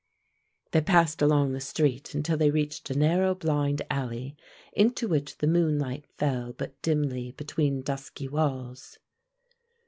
They passed along the street until they reached a narrow blind alley into which the moonlight fell but dimly between dusky walls.